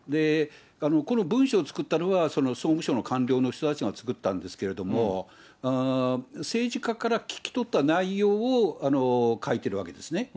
この文書を作ったのは総務省の官僚の人たちが作ったんですけれども、政治家から聞き取った内容を書いているわけですね。